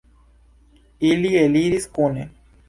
Ili eliris kune.